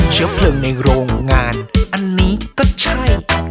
เชื้อเพลิงในโรงงานอันนี้ก็ใช่